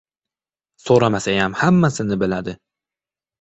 — So‘ramasayam hammasini biladi.